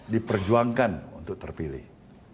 diperjuangkan untuk terpilih